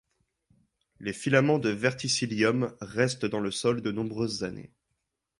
Les filaments du verticillium restent dans le sol de nombreuses années.